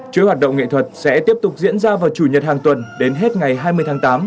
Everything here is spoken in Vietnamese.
chuỗi hoạt động nghệ thuật sẽ tiếp tục diễn ra vào chủ nhật hàng tuần đến hết ngày hai mươi tháng tám